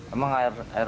emang air bersih sulit bu